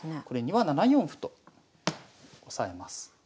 これには７四歩と押さえます。